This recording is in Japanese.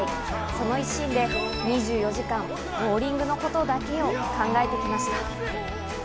その一心で２４時間、ボウリングのことだけを考えてきました。